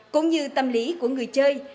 cũng như tâm lý của người chơi